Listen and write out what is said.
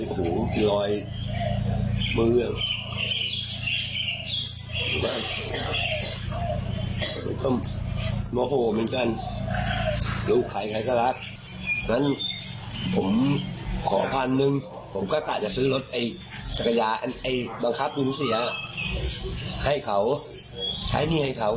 ขอความหนึ่งผมก็จะซื้อรถบังคับวิทยุเสียให้เขาใช้เงินให้เขา